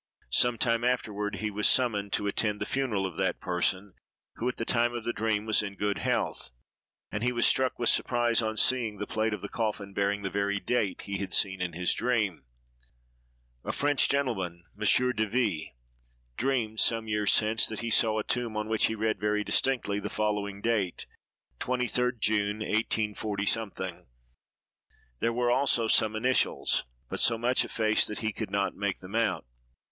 Some time afterward he was summoned to attend the funeral of that person, who, at the time of the dream, was in good health, and he was struck with surprise on seeing the plate of the coffin bearing the very date he had seen in his dream. A French gentleman, Monsieur de V——, dreamed, some years since, that he saw a tomb, on which he read very distinctly, the following date—23d June, 184—; there were, also, some initials, but so much effaced that he could not make them out.